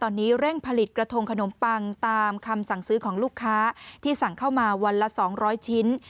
ตอนนี้เร่งผลิตกระทงขนมปังตามคำสั่งซื้อของลูกค้าที่สั่งเข้ามาวันละ๒๐๐ชิ้น